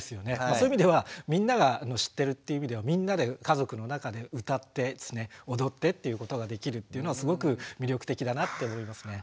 そういう意味ではみんなが知ってるっていう意味ではみんなで家族の中で歌って踊ってっていうことができるっていうのはすごく魅力的だなって思いますね。